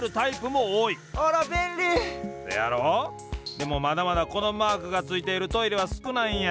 でもまだまだこのマークがついているトイレはすくないんや。